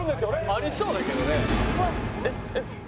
ありそうだけどね。